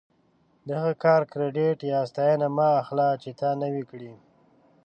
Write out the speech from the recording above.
د هغه کار کریډیټ یا ستاینه مه اخله چې تا نه وي کړی.